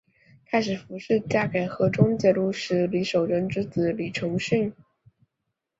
开始符氏嫁给河中节度使李守贞之子李崇训。